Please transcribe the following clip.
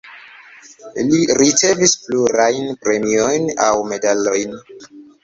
Li ricevis plurajn premiojn aŭ medalojn.